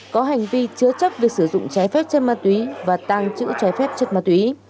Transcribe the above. có hành vi chứa chấp việc sử dụng trái phép chất ma túy và tăng chữ trái phép chất ma túy